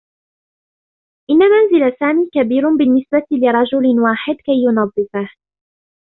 إنّ منزل سامي كبير بالنّسبة لرجل واحد كي ينظّفه.